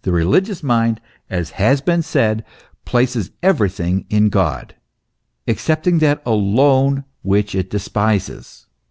The religious mind, as has been said, places everything in God, excepting that alone which it despises.